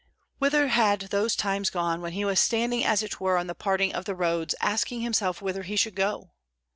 Whither had those times gone when he was standing as it were on the parting of the roads, asking himself whither he should go?